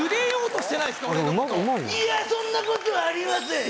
俺をいやそんなことはありません！